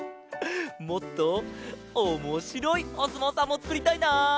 もっとおもしろいおすもうさんもつくりたいな！